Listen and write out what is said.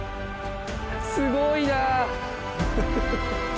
すごいな。